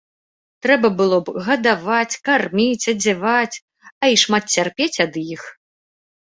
Трэба было б гадаваць, карміць, адзяваць, а і шмат цярпець ад іх.